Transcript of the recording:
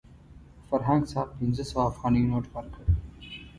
فرهنګ صاحب پنځه سوه افغانیو نوټ ورکړ.